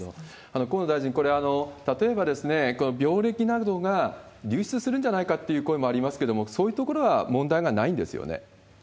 河野大臣、これ、例えば、病歴などが流出するんじゃないかという声もありますけれども、そういうところは問題がないんですよね？